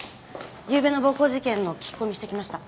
ゆうべの暴行事件の聞き込みしてきました。